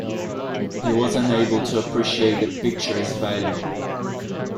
He wasn't able to appreciate the picture’s value.